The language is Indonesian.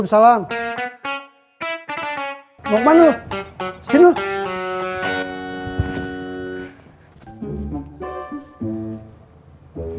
mau ketemu nadia